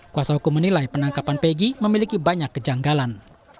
kuasa hukum menilai penangkapan pegi memiliki banyak kejanggalan